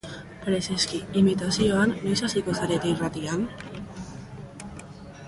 Preseski, imitazioan noiz hasiko zarete irratian?